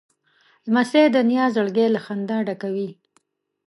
لمسی د نیا زړګی له خندا ډکوي.